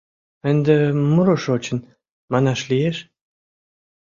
Ынде муро шочын, манаш лиеш?